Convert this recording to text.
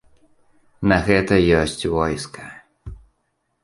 На гэта ёсць войска.